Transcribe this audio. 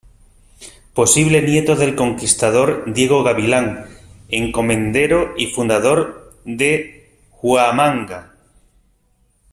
Posible nieto del conquistador Diego Gavilán, encomendero y fundador de Huamanga.